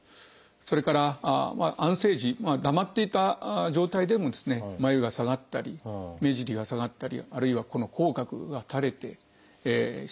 それから安静時黙っていた状態でも眉が下がったり目尻が下がったりあるいはこの口角が垂れてしまうと。